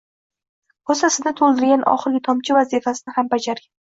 kosasini to‘ldirgan oxirgi tomchi vazifasini ham bajargan.